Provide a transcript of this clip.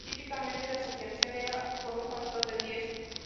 Típicamente, la exageración era por un factor de diez.